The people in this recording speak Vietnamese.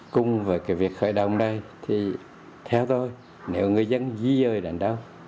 cùng với cái việc khởi động đây thì theo tôi nếu người dân di rời đến đâu